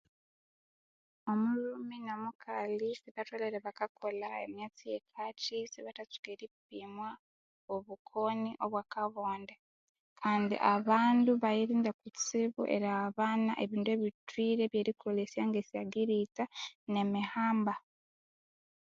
Omulhume nomukali sibatholere bakakolha emyatsti yekati isibatatsuka eripimwa obukoni bwakabonde kandii abandu bayirinde kutsibu erighabana ebindu ebithwire nge'syogiritta, emihamba